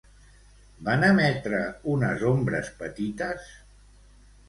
Van emetre unes ombres petites?